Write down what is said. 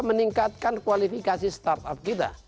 kita meningkatkan kualifikasi start up kita